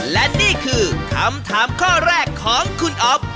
และนี่คือคำถามข้อแรกของคุณอ๊อฟ